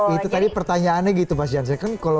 itu tadi pertanyaannya gitu mas jansen